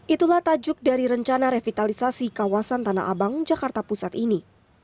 itulah tajuk dari rencana revitalisasi kawasan tanah abang jakarta pusat ini